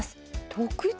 特徴？